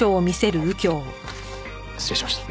失礼しました。